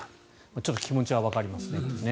ちょっと気持ちはわかりますね。